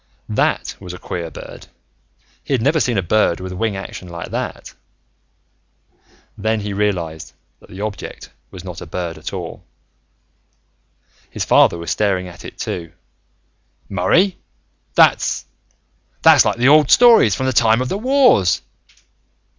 That was a queer bird; he had never seen a bird with a wing action like that. Then he realized that the object was not a bird at all. His father was staring at it, too. "Murray! That's ... that's like the old stories from the time of the wars!"